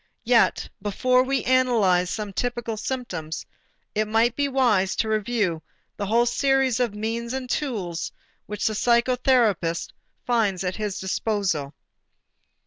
Yet before we analyze some typical symptoms, it might be wise to review the whole series of means and tools which the psychotherapist finds at his disposal.